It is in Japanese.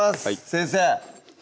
先生！